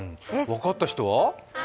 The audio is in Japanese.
分かった人は？